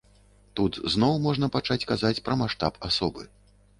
Тут зноў можна пачаць казаць пра маштаб асобы.